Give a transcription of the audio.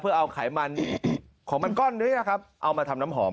เพื่อเอาไขมันของมันก้อนเนื้อนะครับเอามาทำน้ำหอม